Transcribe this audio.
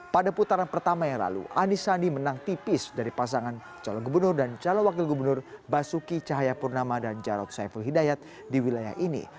pada putaran pertama yang lalu anis sandi menang tipis dari pasangan calon gubernur dan calon wakil gubernur basuki cahayapurnama dan jarod saiful hidayat di wilayah ini